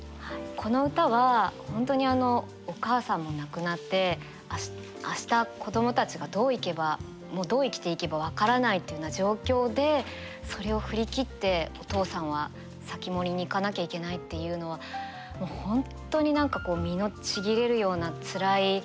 この歌は本当にお母さんも亡くなって明日子どもたちがどう生きていけば分からないっていうような状況でそれを振り切ってお父さんは防人に行かなきゃいけないっていうのは本当に何かこう身のちぎれるようなつらい。